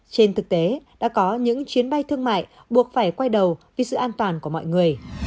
trên thực tế đã có những chuyến bay thương mại buộc phải quay đầu vì sự an toàn của mọi người